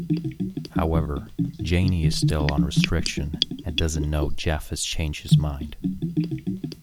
However, Janey is still on restriction and doesn't know Jeff has changed his mind.